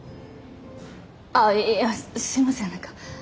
あいやすいません何か。